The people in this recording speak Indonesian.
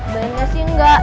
bayangnya sih enggak